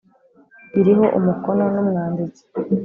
iriho umukono w ‘Umwanditsi.